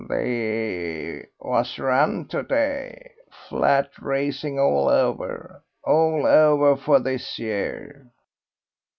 "The was run to day. Flat racing all over, all over for this year."